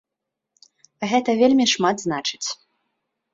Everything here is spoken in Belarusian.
Гэта вельмі шмат значыць.